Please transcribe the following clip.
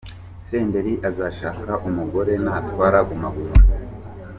Senderi azashaka umugore natwara Guma Guma.